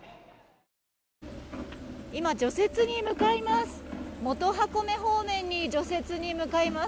今、除雪に向かいます。